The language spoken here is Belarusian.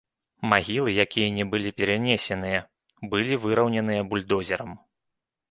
Магілы, якія не былі перанесеныя, былі выраўненыя бульдозерам.